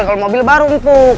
kalo mobil baru empuk